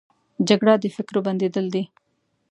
جګړه د فکرو بندېدل دي